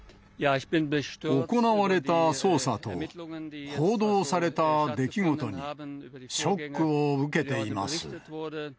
行われた捜査と、報道された出来事にショックを受けています。